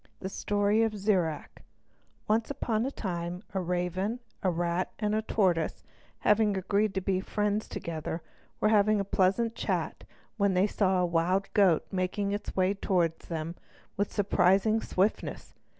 The Story of Zirac Once upon a time a raven, a rat, and a tortoise, having agreed to be friends together, were having a pleasant chat when they saw a wild goat making its way toward them with surprising swiftness.